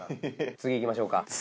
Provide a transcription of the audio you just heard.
次いきましょうか。